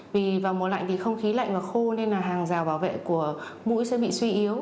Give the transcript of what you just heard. vì vào mùa lạnh thì không khí lạnh và khô nên là hàng rào bảo vệ của mũi sẽ bị suy yếu